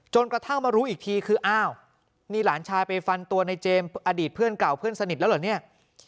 กระทั่งมารู้อีกทีคืออ้าวนี่หลานชายไปฟันตัวในเจมส์อดีตเพื่อนเก่าเพื่อนสนิทแล้วเหรอเนี่ย